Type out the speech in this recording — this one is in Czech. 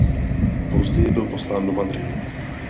Později byl poslán do Madridu.